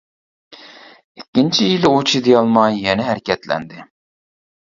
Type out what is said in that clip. ئىككىنچى يىلى ئۇ چىدىيالماي يەنە ھەرىكەتلەندى.